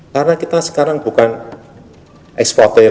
karena kita sekarang bukan eksporter minyak